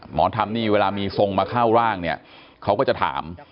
หมอธรรมนี่เวลามีทรงมาเข้าร่างเนี่ยเขาก็จะถาม